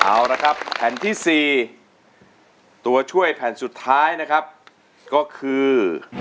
เอาละครับแผ่นที่๔ตัวช่วยแผ่นสุดท้ายนะครับก็คือ